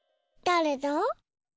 だれだ？